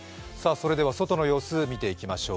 外の様子を見ていきましょう。